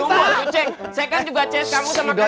saya kan juga cs kamu sama kang dadang ceng